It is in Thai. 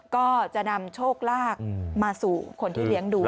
ก็จะนำโชคลาภมาสู่คนที่เลี้ยงดู